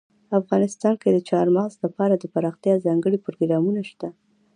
افغانستان کې د چار مغز لپاره دپرمختیا ځانګړي پروګرامونه شته.